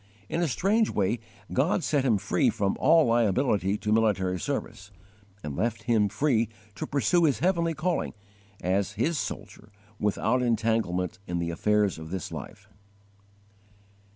In a strange way God set him free from all liability to military service, and left him free to pursue his heavenly calling as His soldier, without entanglement in the affairs of this life.